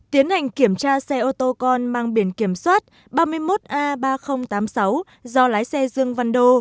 tiến hành kiểm tra xe ô tô con mang biển kiểm soát ba mươi một a ba nghìn tám mươi sáu do lái xe dương văn đô